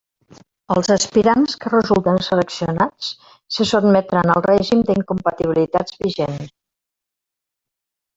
Els aspirants que resulten seleccionats se sotmetran al règim d'incompatibilitats vigent.